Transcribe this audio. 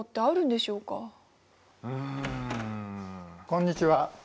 こんにちは。